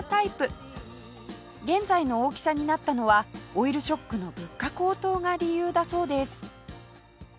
現在の大きさになったのはオイルショックの物価高騰が理由だそうです